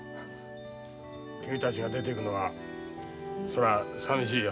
君たちが出ていくのはそら寂しいよ。